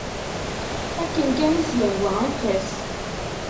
Akken kan i as-yehwa, anef-as.